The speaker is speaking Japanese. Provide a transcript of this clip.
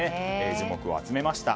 注目を集めました。